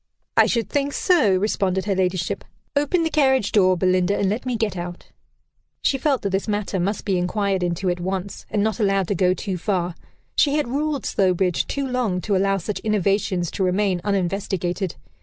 "I should think so," responded her ladyship. "Open the carriage door, Belinda, and let me get out." She felt that this matter must be inquired into at once, and not allowed to go too far. She had ruled Slowbridge too long to allow such innovations to remain uninvestigated.